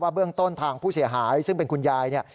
ว่าเบื้องต้นทางผู้เสียหายซึ่งเป็นคุณยาย